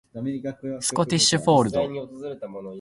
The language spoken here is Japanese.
スコティッシュフォールド